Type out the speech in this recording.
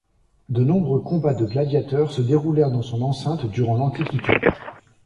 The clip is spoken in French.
De nombreux combats de gladiateurs se déroulèrent dans son enceinte durant l'Antiquité.